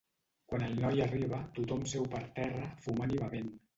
Quan el noi arriba tothom seu per terra, fumant i bevent.